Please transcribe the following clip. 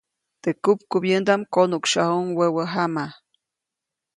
Teʼ kupkubyäŋdaʼm konuʼksyajuʼuŋ wäwä jama.